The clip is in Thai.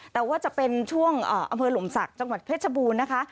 แต่ว่าจะเป็นช่วงอำเภอหลมศักดิ์จังหวัดเพชรบูรณ์นะคะ